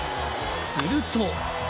すると。